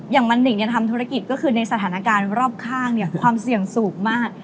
อย่างวันหนึ่งทำธุรกิจก็คือในสถานการณ์รอบข้างความเสี่ยงสูงมาก